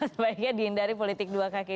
sebaiknya dihindari politik dua kaki